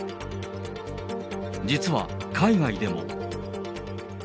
実は海外でも。